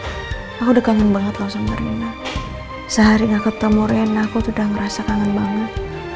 sama rina sehari gak ketemu sama rina sehari gak ketemu sama rina sehari gak ketemu sama rina sehari gak ketemu ama ibu although riana aku udah merasa kangen banget